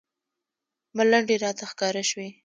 ملنډې راته ښکاره شوې.